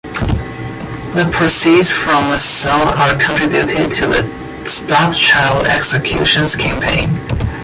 The proceeds from the song are contributed to the Stop Child Executions Campaign.